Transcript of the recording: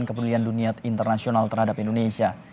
kepedulian dunia internasional terhadap indonesia